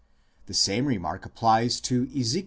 The same remark applies to Ezek.